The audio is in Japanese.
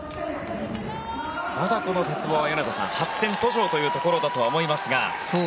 まだこの鉄棒は発展途上というところだとは思いますが。